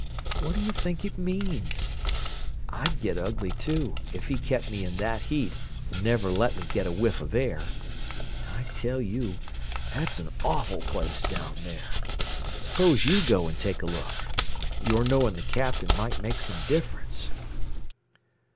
What do you think it means? I'd get ugly, too, if he kept me in that heat and never let me get a whiff of air. I tell you, that's an awful place down there. Suppose you go and take a look. Your knowing the Captain might make some difference."